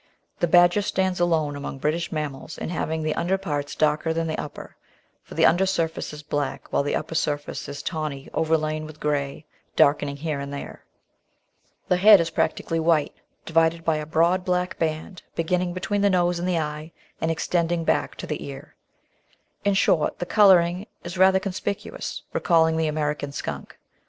The Badger stands alone among British mammals in having the under parts darker than the upper, for the under surface is black while the upper surface is tawny, overlain with grey, darkening here and there. The head is practically white, divided by a broad black band beginning between the nose and the eye and extending back to the ear. In short, the colouring is rather conspicuous, recalling the American Skunk.